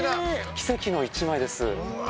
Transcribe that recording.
奇跡の一枚です。